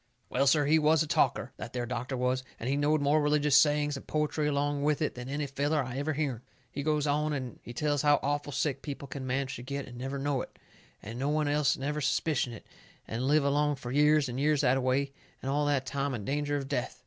Well, sir, he was a talker, that there doctor was, and he knowed more religious sayings and poetry along with it, than any feller I ever hearn. He goes on and he tells how awful sick people can manage to get and never know it, and no one else never suspicion it, and live along fur years and years that a way, and all the time in danger of death.